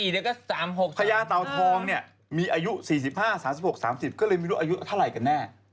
ก็๓๖พญาเตาทองเนี่ยมีอายุ๔๕๓๖๓๐ก็เลยไม่รู้อายุเท่าไหร่กันแน่